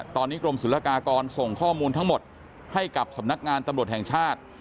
ตอนนี้กรมศุลกากรส่งข้อมูลทั้งหมดให้กับสำนักงานตำรวจแห่งชาติ